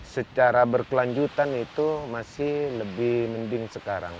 secara berkelanjutan itu masih lebih mending sekarang